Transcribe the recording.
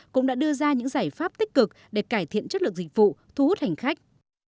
cũng đã đưa ra những giải pháp tích cực để cải thiện chất lượng dịch vụ thu hút hành khách